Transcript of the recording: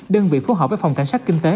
đơn vị phối hợp với phòng cảnh sát kinh tế